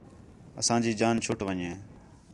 اسانجی جان چُھٹ ون٘ڄے